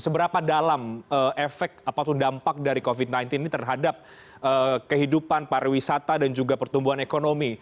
seberapa dalam efek atau dampak dari covid sembilan belas ini terhadap kehidupan pariwisata dan juga pertumbuhan ekonomi